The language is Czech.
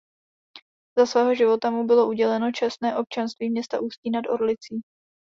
Za svého života mu bylo uděleno čestné občanství města Ústí nad Orlicí.